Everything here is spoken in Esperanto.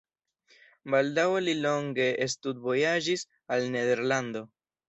Baldaŭe li longe studvojaĝis al Nederlando.